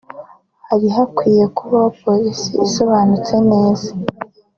Hari hakwiye kubaho policy isobanutse neza